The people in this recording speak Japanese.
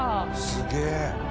すげえ！